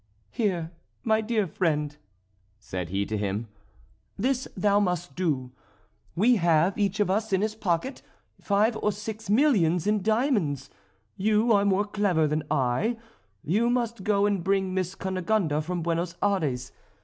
"Here, my dear friend," said he to him, "this thou must do. We have, each of us in his pocket, five or six millions in diamonds; you are more clever than I; you must go and bring Miss Cunegonde from Buenos Ayres.